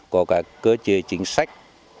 có các cơ chế chính sách